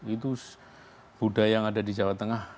itu budaya yang ada di jawa tengah